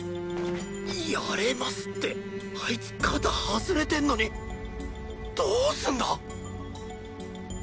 「やれます！」ってあいつ肩外れてんのにどすんだ！？